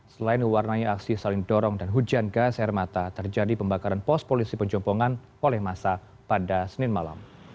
selain warnanya aksi saling dorong dan hujan gas air mata terjadi pembakaran pos polisi penjompongan oleh masa pada senin malam